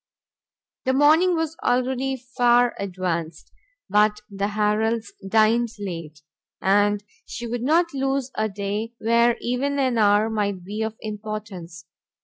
The morning was already far advanced, but the Harrels dined late, and she would not lose a day where even an hour might be of importance.